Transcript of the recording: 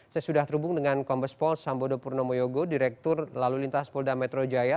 saya sudah terhubung dengan kombes pol sambodo purnomo yogo direktur lalu lintas polda metro jaya